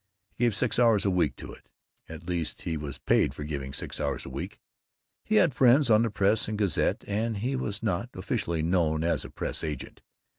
He gave six hours a week to it. At least he was paid for giving six hours a week. He had friends on the Press and the Gazette and he was not (officially) known as a press agent.